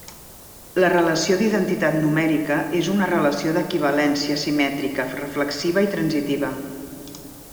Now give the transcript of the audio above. La relació d'identitat numèrica és una relació d'equivalència, simètrica, reflexiva i transitiva.